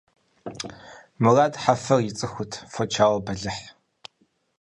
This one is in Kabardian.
Мудар Хьэфэр ицӀыхут фочауэ бэлыхь.